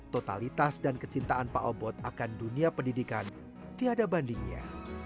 totalitas dan kecintaan pak obot akan dunia pendidikan tiada bandingnya